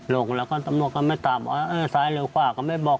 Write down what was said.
ลงแล้วก็ตำนวนก็ไม่ตามเออซ้ายเร็วขวาก็ไม่บอก